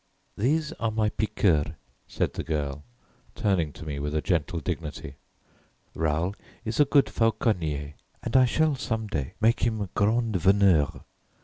"These are my piqueurs," said the girl, turning to me with a gentle dignity. "Raoul is a good fauconnier, and I shall some day make him grand veneur.